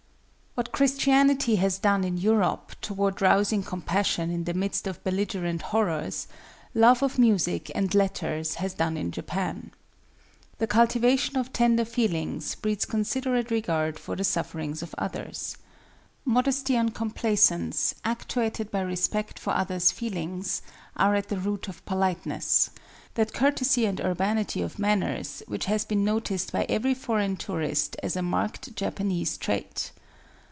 What Christianity has done in Europe toward rousing compassion in the midst of belligerent horrors, love of music and letters has done in Japan. The cultivation of tender feelings breeds considerate regard for the sufferings of others. Modesty and complaisance, actuated by respect for others' feelings, are at the root of POLITENESS, that courtesy and urbanity of manners which has been noticed by every foreign tourist as a marked Japanese trait.